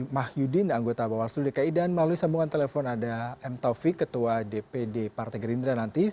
mah yudin anggota bawaslu dki dan melalui sambungan telepon ada m taufik ketua dpd partai gerindra nanti